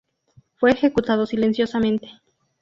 Fue ejecutado silenciosamente.